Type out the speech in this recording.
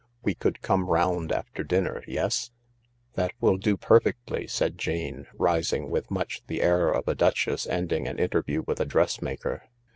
We could come round after dinner. Yes ?" "That will do perfectly," said Jane, rising with much the air of a duchess ending an interview with a dressmaker.